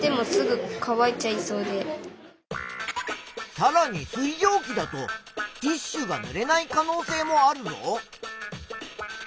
さらに水蒸気だとティッシュがぬれない可能性もあるぞ。